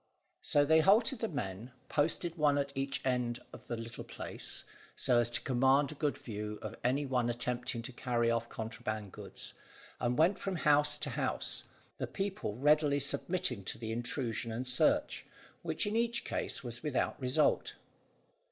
So they halted the men, posted one at each end of the little place, so as to command a good view of any one attempting to carry off contraband goods, and went from house to house, the people readily submitting to the intrusion and search, which in each case was without result.